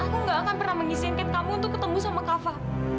aku gak akan pernah mengizinkan kamu untuk ketemu sama kava